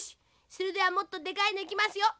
それではもっとでかいのいきますよ！